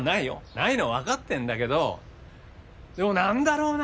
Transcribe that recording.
ないのは分かってるんだけどでも何だろうな